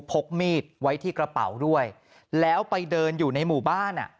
พกมีดไว้ที่กระเป๋าด้วยแล้วไปเดินอยู่ในหมู่บ้านอ่ะ